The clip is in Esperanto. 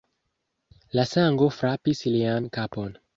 La sango frapis lian kapon.